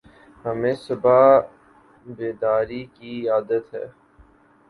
ہمیں صبح بیداری کی عادت ہے ۔